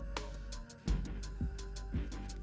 iya deh terserah bang